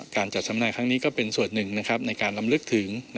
การจัดทำนายครั้งนี้ก็เป็นส่วนหนึ่งในการลำลึกถึง